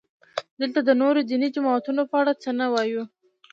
دلته د نورو دیني جماعتونو په اړه څه نه وایو.